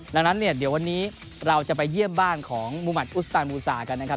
ดังนั้นเดี๋ยววันนี้เราจะไปเยี่ยมบ้านของมุมัทออสัตว์อุตสาหร่างกันนะครับ